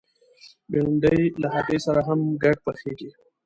بېنډۍ له هګۍ سره هم ګډ پخېږي